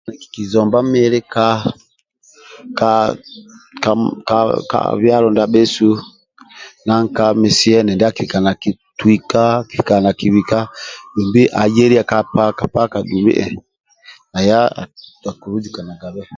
Kikizomba mili ka ka kaka kab byalo ndia bhesu misia endidi akilikaga nakitwika ayelia dumbi ka paka dumbi hhh